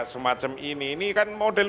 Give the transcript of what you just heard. semacam ini ini kan model